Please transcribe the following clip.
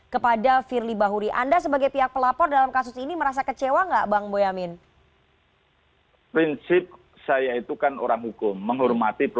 supaya tidak tersangkut kasus dugaan pelanggaran kode etik